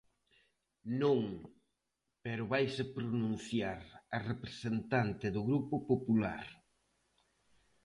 Non, pero vaise pronunciar a representante do Grupo Popular.